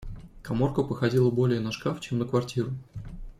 Каморка походила более на шкаф, чем на квартиру.